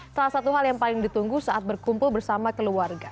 salah satu hal yang paling ditunggu saat berkumpul bersama keluarga